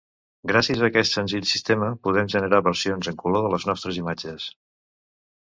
Gràcies a aquest senzill sistema podem generar versions en color de les nostres imatges.